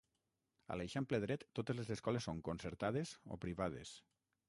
A l'Eixample dret totes les escoles són concertades o privades.